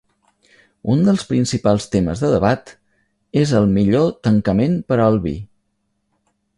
Un dels principals temes de debat és el millor tancament per al vi.